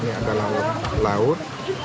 ini adalah laut